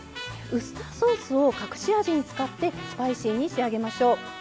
ウスターソースを隠し味に使ってスパイシーに仕上げましょう。